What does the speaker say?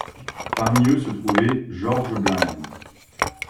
Parmi eux se trouvait Georges Blind.